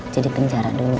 jadi penjara dulu